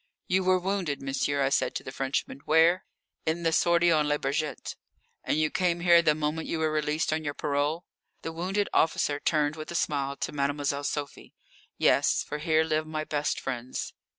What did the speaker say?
"You were wounded, monsieur," I said to the Frenchman. "Where?" "In the sortie on Le Bourget." "And you came here the moment you were released on your parole?" The wounded officer turned with a smile to Mademoiselle Sophie. "Yes, for here live my best friends."